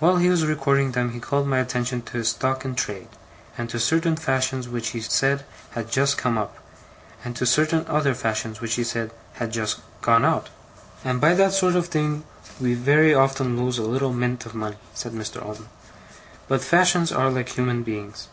While he was recording them he called my attention to his stock in trade, and to certain fashions which he said had 'just come up', and to certain other fashions which he said had 'just gone out'. 'And by that sort of thing we very often lose a little mint of money,' said Mr. Omer. 'But fashions are like human beings.